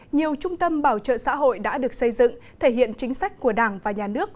nhiều trung tâm bảo trợ xã hội đã được xây dựng thể hiện chính sách của đảng và nhà nước